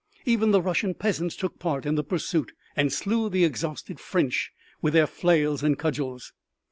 Even the Russian peasants took part in the pursuit, and slew the exhausted French with their flails and cudgels.